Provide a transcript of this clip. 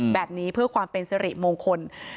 แบบนี้เพื่อความเป็นสิริมงคล